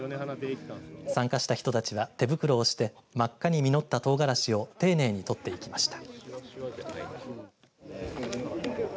参加した人たちは、手袋をして真っ赤に実ったトウガラシを丁寧に取っていきました。